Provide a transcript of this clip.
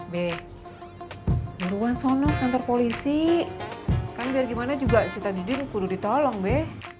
be baruan sono kantor polisi kan biar gimana juga si tadudin perlu ditolong be